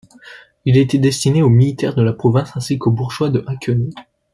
Il était destiné aux militaires de la province ainsi qu’aux bourgeois de Haguenau.